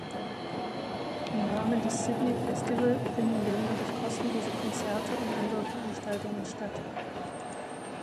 Im Rahmen des Sydney Festival finden gelegentlich kostenlose Konzerte und andere Veranstaltungen statt.